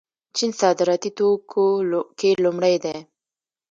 چین صادراتي توکو کې لومړی دی.